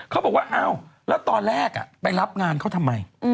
เขาบอกว่าอ้าวแล้วตอนแรกไปรับงานเขาทำไม